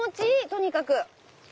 とにかく。